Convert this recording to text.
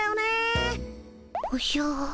おじゃ？